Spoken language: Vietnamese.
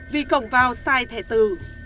vì cổng vào sai thẻ tử